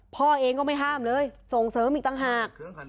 พ่อเองก็ไม่ห้ามเลยส่งเสริมอีกต่างหาก